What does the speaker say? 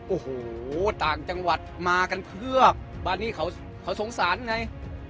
โอ้โหต่างจังหวัดมากันเพือกบ้านนี้เขาสงสารไง